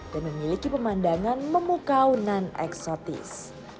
dan memiliki pemandangan memukau non eksotis